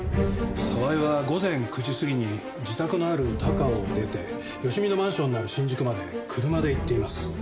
澤井は午前９時過ぎに自宅のある高尾を出て芳美のマンションのある新宿まで車で行っています。